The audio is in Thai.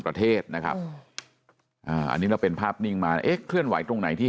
กับประเทศนะครับอันนี้เราเป็นภาพนิ่งมาขึ้นไหวตรงไหนที่